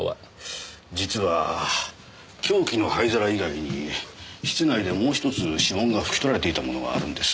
実は凶器の灰皿以外に室内でもうひとつ指紋が拭き取られていたものがあるんです。